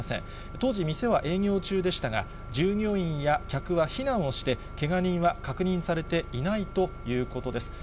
当時、店は営業中でしたが、従業員や客は避難をして、けが人は確認されていないということです。